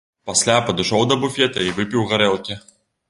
Пасля падышоў да буфета і выпіў гарэлкі.